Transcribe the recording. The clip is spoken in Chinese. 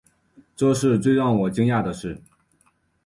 这是最让我惊讶的事